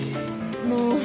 もう！